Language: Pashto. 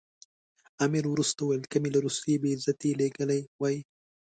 امیر وروسته وویل که مې له روسیې بې عزتي لیدلې وای.